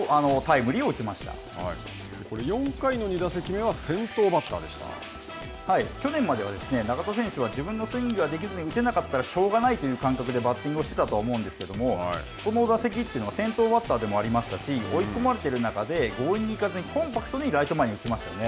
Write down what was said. これ、４回の２打席目は先頭バ去年までは中田選手は自分のスイングができずに打たなかったらしょうがないという感覚でバッティングをしてたと思うんですけれども、この打席というのは先頭バッターでもありましたし追い込まれてる中で強引に行かずにコンパクトでライト前に打ちましたよね。